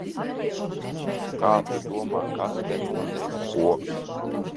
Kā tu domā, kas te notiek, ko?